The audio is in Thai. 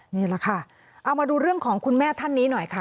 นี่แหละค่ะเอามาดูเรื่องของคุณแม่ท่านนี้หน่อยค่ะ